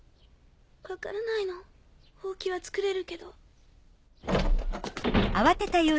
分からないのホウキは作れるけど。